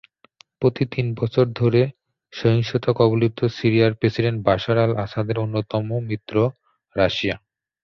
প্রায় তিন বছর ধরে সহিংসতাকবলিত সিরিয়ার প্রেসিডেন্ট বাশার আল-আসাদের অন্যতম প্রধান মিত্র রাশিয়া।